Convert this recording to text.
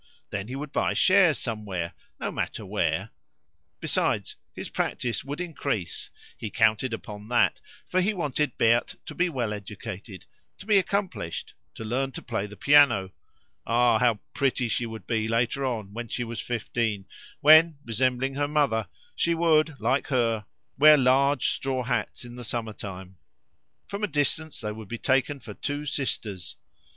Then he would buy shares somewhere, no matter where; besides, his practice would increase; he counted upon that, for he wanted Berthe to be well educated, to be accomplished, to learn to play the piano. Ah! how pretty she would be later on when she was fifteen, when, resembling her mother, she would, like her, wear large straw hats in the summer time; from a distance they would be taken for two sisters.